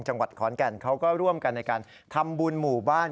จังหวัดขอนแก่นเขาก็ร่วมกันในการทำบุญหมู่บ้าน